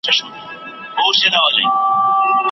مرغۍ د ونې له سر نه په یو ځل والوتې.